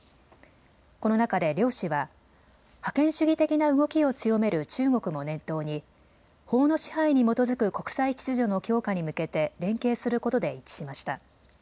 この中で両氏は覇権主義的な動きを強める中国も念頭に法の支配に基づく国際秩序の強化に向けて連携することで一致しました。